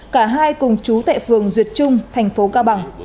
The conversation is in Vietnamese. cả hai cùng chú tại phường duyệt trung thành phố cao bằng